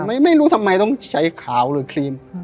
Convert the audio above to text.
ไม่รู้ทำไมต้องใช้ขาวหรือครีม